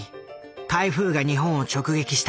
台風が日本を直撃した。